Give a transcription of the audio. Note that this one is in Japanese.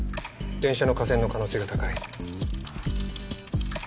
電車の架線の可能性が高い。